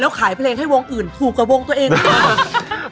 แล้วขายเพลงให้วงอื่นถูกกว่าวงตัวเองดีกว่า